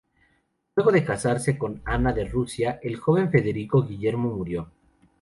Luego de casarse con Ana de Rusia, el joven Federico Guillermo murió.